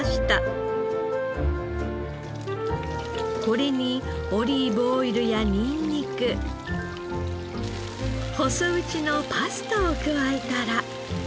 これにオリーブオイルやにんにく細打ちのパスタを加えたら。